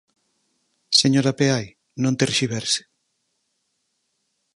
Señora Peai, non terxiverse.